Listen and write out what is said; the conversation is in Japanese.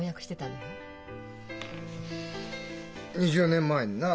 ２０年前にな。